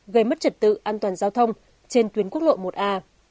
gây mất trật tự an toàn giao thông trên tuyến quốc lộ một a